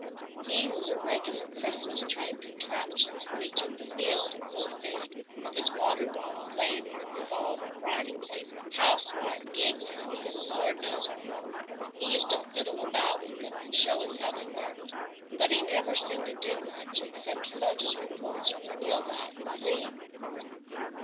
He was a regular Christmas tree of contraptions when he took the field in full fig, with his water bottle, lanyard, revolver, writing case, housewife, gig lamps, and the Lord knows what all. He used to fiddle about with 'em and show us how they worked; but he never seemed to do much except fudge his reports from the Nilghai. See?"